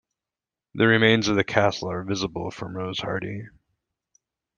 The remains of the Castle are visible from Rosehearty.